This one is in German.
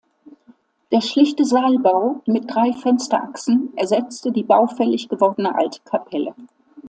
Der schlichte Saalbau mit drei Fensterachsen ersetzte die baufällig gewordene alte Kapelle.